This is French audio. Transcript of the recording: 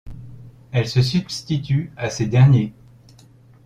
Elle se substitue à ces derniers.